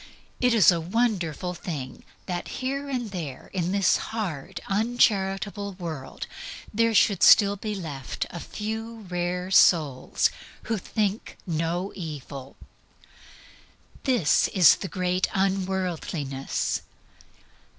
It is a wonderful thing that here and there in this hard, uncharitable world there should still be left a few rare souls who think no evil. This is the great unworldliness.